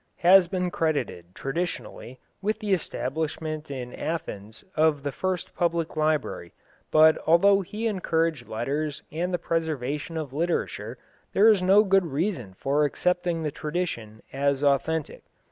has been credited, traditionally, with the establishment in Athens of the first public library, but although he encouraged letters and the preservation of literature there is no good reason for accepting the tradition as authentic.